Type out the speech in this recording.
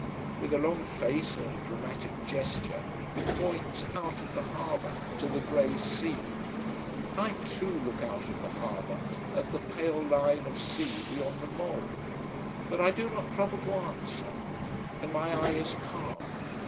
With a long face and a dramatic gesture he points out of the harbour, to the grey sea. I too look out of the harbour at the pale line of sea beyond the mole. But I do not trouble to answer, and my eye is calm.